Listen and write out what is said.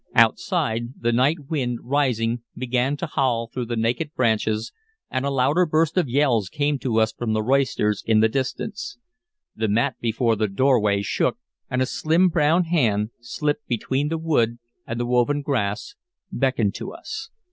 Outside, the night wind, rising, began to howl through the naked branches, and a louder burst of yells came to us from the roisterers in the distance. The mat before the doorway shook, and a slim brown hand, slipped between the wood and the woven grass, beckoned to us.